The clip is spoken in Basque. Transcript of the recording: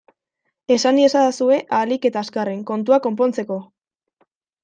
Esan iezadazue ahalik eta azkarren, kontua konpontzeko!